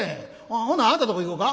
ほなあんたのとこ行こうか？」。